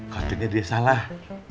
kata dia salah